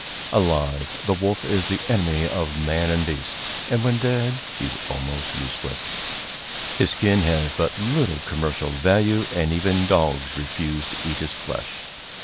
Alive, the wolf is the enemy of man and beast, and when dead he is almost useless. His skin has but little commercial value, and even dogs refuse to eat his flesh.